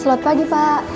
selamat pagi pak